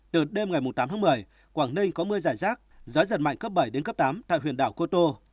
từ đêm ngày tám một mươi quảng ninh có mưa giải rác gió giật mạnh cấp bảy tám tại huyện đảo cô tô